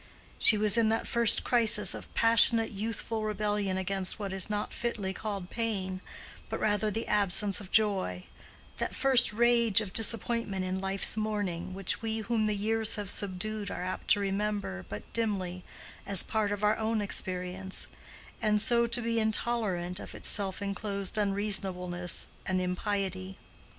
She was in that first crisis of passionate youthful rebellion against what is not fitly called pain, but rather the absence of joy—that first rage of disappointment in life's morning, which we whom the years have subdued are apt to remember but dimly as part of our own experience, and so to be intolerant of its self enclosed unreasonableness and impiety.